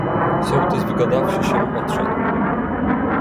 "Sołtys wygadawszy się odszedł."